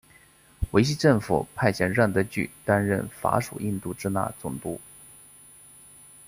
维希政府派遣让德句担任法属印度支那总督。